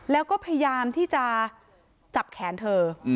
แล้วก็พยายามที่จะจับแขนเธอ